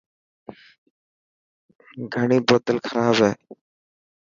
گھڻي بوتل کراب هي.